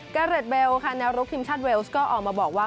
เกเรดเบลค่ะแนวรุกทีมชาติเวลสก็ออกมาบอกว่า